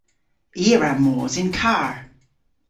I a wra mos yn karr.